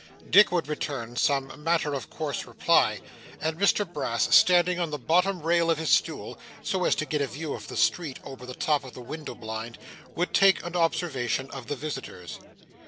Dick would return some matter of course reply, and Mr Brass standing on the bottom rail of his stool, so as to get a view of the street over the top of the window blind, would take an observation of the visitors.